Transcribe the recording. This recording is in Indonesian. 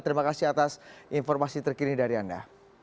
terima kasih atas informasi terkini dari anda